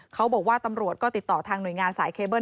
เขาบอกว่าตำรวจก็ติดต่อทางหน่วยงานสายเคเบิ้